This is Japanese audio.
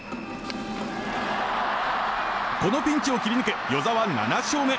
このピンチを切り抜け與座は７勝目。